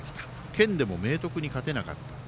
県でも明徳に勝てなかった。